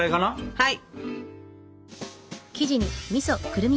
はい。